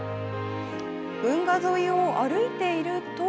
運河沿いを歩いていると。